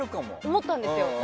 思ったんですよ。